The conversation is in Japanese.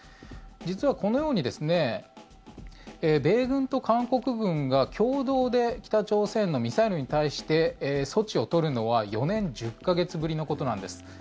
実はこのように米軍と韓国軍が共同で北朝鮮のミサイルに対して措置を取るのは４年１０か月ぶりのことなんです。